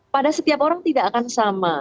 pada setiap orang tidak akan sama